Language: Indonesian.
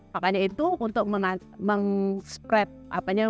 makanya itu untuk menang spread apa nya